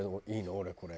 俺これ。